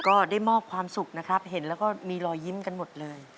ก็ได้มอบความสุขนะครับเห็นแล้วก็มีรอยยิ้มกันหมดเลย